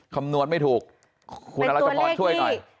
คำนวณไม่ถูกคุณอรัชพรช่วยหน่อย